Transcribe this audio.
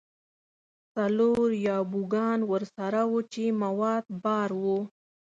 څلور یا بوګان ورسره وو چې مواد بار وو.